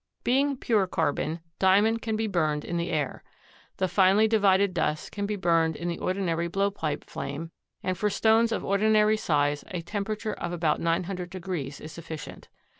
Being pure carbon, Diamond can be burned in the air. The finely divided dust can be burned in the ordinary blow pipe flame, and for stones of ordinary size a temperature of about 900° C is sufficient.